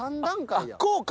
こうか！